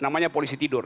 namanya polisi tidur